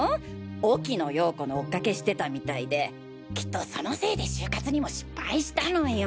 沖野ヨーコのおっかけしてたみたいできっとそのせいで就活にも失敗したのよ。